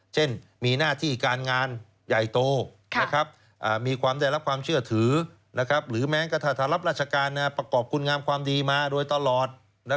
เช่นมีหน้าที่การงานใหญ่โตมีความได้รับความเชื่อถือหรือแม้กระทั่งถ้ารับราชการประกอบคุณงามความดีมาโดยตลอด